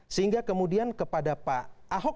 sehingga kemudian kepada pak ahok